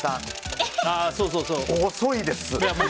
遅いです。